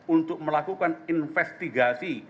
untuk melakukan investigasi